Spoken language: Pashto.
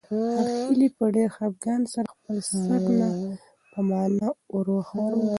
هیلې په ډېر خپګان سره خپل سر د نه په مانا وښوراوه.